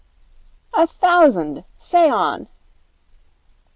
'A thousand. Say on.'